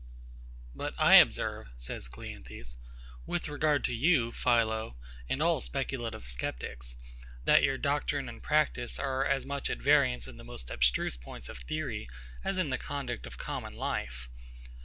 But I observe, says CLEANTHES, with regard to you, PHILO, and all speculative sceptics, that your doctrine and practice are as much at variance in the most abstruse points of theory as in the conduct of common life.